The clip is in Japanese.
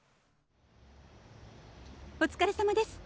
お疲れさまです。